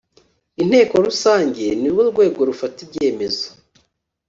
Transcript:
inteko rusange nirwo rwego rufata ibyemezo